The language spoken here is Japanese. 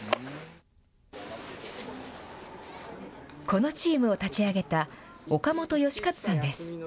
このチームを立ち上げた、岡本嘉一さんです。